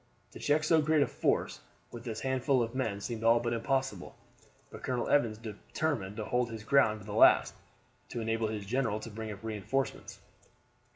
To check so great a force with this handful of men seemed all but impossible; but Colonel Evans determined to hold his ground to the last, to enable his general to bring up reinforcements.